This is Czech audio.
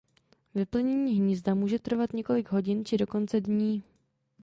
Vyplenění hnízda může trvat několik hodin či dokonce dní.